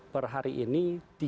per hari ini